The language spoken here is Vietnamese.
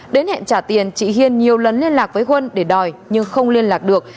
đến hẹn trả tiền chị hiên nhiều lần liên lạc với huân để đòi nhưng không liên lạc được